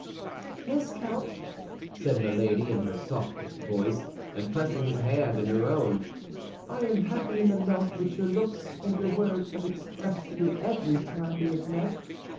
"Yes, Count," said Milady, in her softest voice, and pressing his hand in her own, "I am happy in the love which your looks and your words have expressed to me every time we have met.